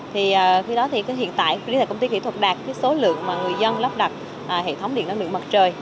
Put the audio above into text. thì khi đó thì hiện tại liên hợp công ty kỹ thuật đạt số lượng mà người dân lắp đặt hệ thống điện năng lượng mặt trời